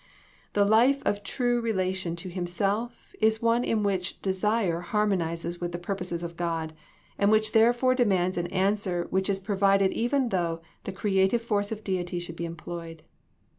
The life of true relation to Himself is one in which desire harmonizes with the purposes of God, and which therefore demands an answer which is provided even though the creative force of Deity should be employed.